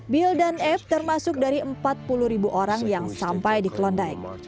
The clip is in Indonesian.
bill dan f termasuk dari empat puluh ribu orang yang sampai di klonding